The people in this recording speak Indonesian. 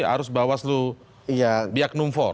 harus bawaslu biaknumfor